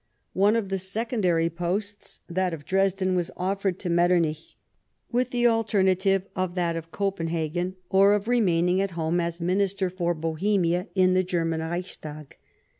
One of the secondary posts, that of Dresden, was offered to Metternich, with the alternative of that of Copenhagen, or of remaining at EABLY TB AWING. 9 home as Minister for Bohemia in the German Reichs tag.